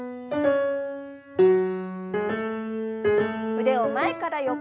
腕を前から横へ。